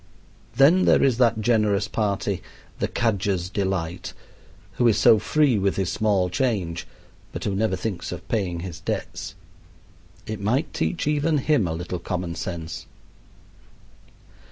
Then there is that generous party, the cadger's delight, who is so free with his small change, but who never thinks of paying his debts. It might teach even him a little common sense.